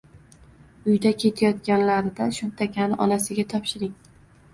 Uyga ketayotganlarida shumtakani onasiga topshiring.